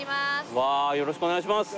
うわよろしくお願いします！